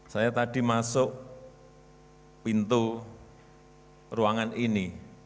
saya tadi masuk pintu ruangan ini